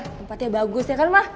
tempatnya bagus ya kan mah